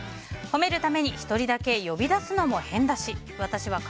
褒めるために１人だけ呼び出すのも変だし。